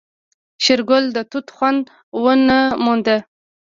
شېرګل د توت خوند ونه موند.